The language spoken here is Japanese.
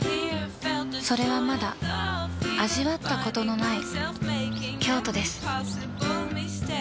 それはまだ味わったことのない